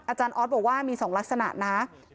อาจารย์ออสบอกว่ามี๒ลักษณะนะ